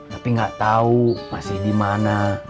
tapi gak tau masih dimana